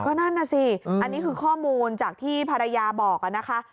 ก็นั่นน่ะสิอันนี้คือข้อมูลจากที่ภรรยาบอกนะคะ